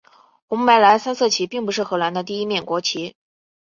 红白蓝三色旗并不是荷兰的第一面国旗。